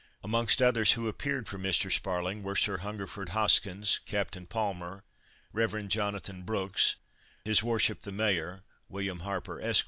Amongst others who appeared for Mr. Sparling were Sir Hungerford Hoskins, Captain Palmer, Rev. Jonathan Brooks, His Worship the Mayor (William Harper, Esq.)